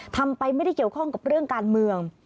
ทำไปไม่ได้เกี่ยวข้องกับเรื่องการเมือง